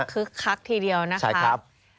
คึกคักทีเดียวนะครับ